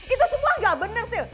itu semua gak bener sil